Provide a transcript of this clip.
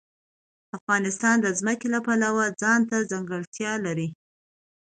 افغانستان د ځمکه د پلوه ځانته ځانګړتیا لري.